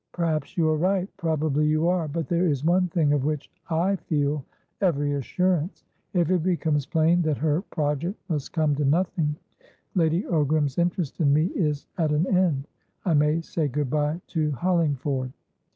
"Perhaps you are right. Probably you are. But there is one thing of which I feel every assurance. If it becomes plain that her project must come to nothing, Lady Ogram's interest in me is at an end. I may say good bye to Hollingford."